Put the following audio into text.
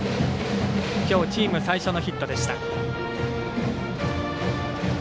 きょうチーム最初のヒットでした。